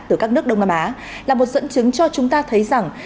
từ các nước đông nam á là một dẫn chứng cho chúng ta thấy rằng